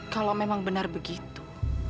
kalau memang benar begitu